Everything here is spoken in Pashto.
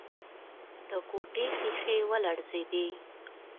د کوټې ښيښې ولړزېدې.